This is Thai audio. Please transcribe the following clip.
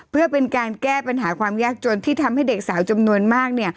เพื่อเป็นการแก้ปัญหาความยากจนที่ทำให้เด็กสาวจำนวนมากเนี่ย